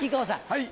はい。